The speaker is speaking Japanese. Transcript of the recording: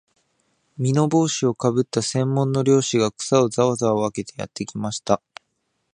簔帽子をかぶった専門の猟師が、草をざわざわ分けてやってきました